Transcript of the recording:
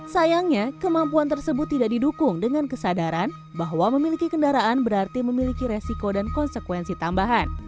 sayangnya kemampuan tersebut tidak didukung dengan kesadaran bahwa memiliki kendaraan berarti memiliki resiko dan konsekuensi tambahan